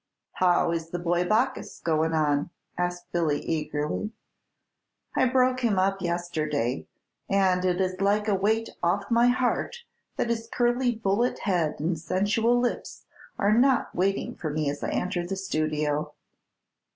"How is the boy Bacchus goin' on?" asked Billy, eagerly. "I broke him up yesterday, and it is like a weight off my heart that his curly bullet head and sensual lips are not waiting for me as I enter the studio."